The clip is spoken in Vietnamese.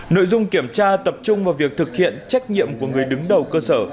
nội dung kiểm tra tập trung vào việc thực hiện trách nhiệm của người đứng đầu cơ sở